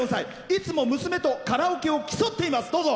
いつも娘とカラオケで競っています。